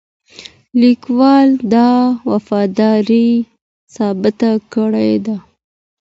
لیکوال دا وفاداري ثابته کړې ده.